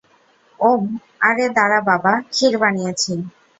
ওম, আরে দারা বাবা, ক্ষীর বানিয়েছি।